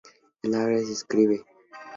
En árabe se escribe کریم.